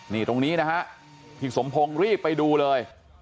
นี่ตรงนี้นะฮะพี่สมพงศ์รีบไปดูเลย